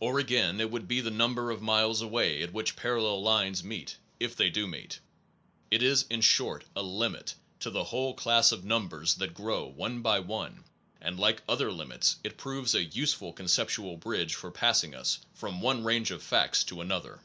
Or again it would be the number of miles away at which parallel lines meet if they do meet. It is, in short, a 6 limit to the whole class of numbers that grow one by one, and like other limits, it proves a useful conceptual bridge for passing us from one range of facts to another.